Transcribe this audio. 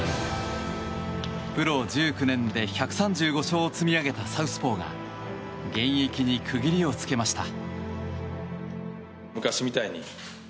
プロ１９年で１３５勝を積み上げたサウスポーが現役に区切りをつけました。